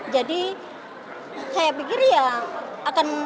jadi saya pikir ya akan